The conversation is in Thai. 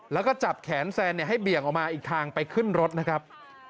แล้วก็จับแขนแซนให้เบี่ยงออกมาอีกทางไปขึ้นรถนะครับ